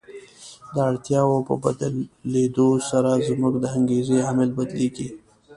د اړتیاوو په بدلېدو سره زموږ د انګېزې عامل بدلیږي.